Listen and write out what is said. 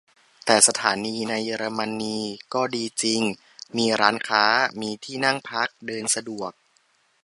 แต่สถานีในเยอรมนีก็ดีจริง มีร้านค้า มีที่นั่งพัก เดินสะดวก